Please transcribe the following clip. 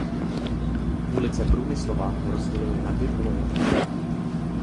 Ulice Průmyslová ho rozděluje na dvě poloviny.